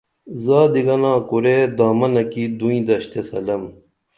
زادی گنا کُرے دامنہ کی دوئیں دشتے سلام